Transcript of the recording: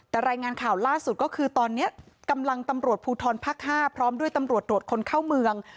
แต่รายงานข่าวล่าสุดก็คือตอนนี้กำลังตำรวจภูทรภาค๕พร้อมด้วยตำรวจตรวจคนเข้าเมือง